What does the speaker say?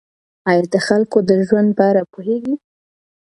آیا د خلکو د ژوند په اړه پوهېږئ؟